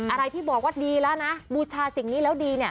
อะไรที่บอกว่าดีแล้วนะบูชาสิ่งนี้แล้วดีเนี่ย